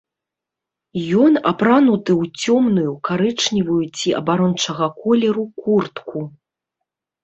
Ён апрануты ў цёмную карычневую ці абарончага колеру куртку.